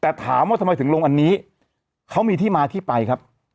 แต่ถามว่าทำไมถึงลงอันนี้เขามีที่มาที่ไปครับ